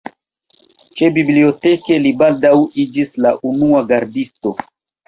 Ĉebiblioteke li baldaŭ iĝis la unua gardisto.